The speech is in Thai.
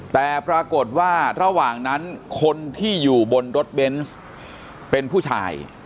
แต่ปรากฏว่าระหว่างนั้นคนที่อยู่บนรถเบนส์เป็นผู้ชาย